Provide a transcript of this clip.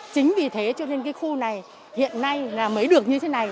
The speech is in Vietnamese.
chính vì thế cho nên cái khu này hiện nay mới được như thế này